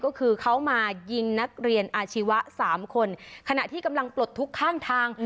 ก็คือเขามายิงนักเรียนอาชีวะสามคนขณะที่กำลังปลดทุกข้างทาง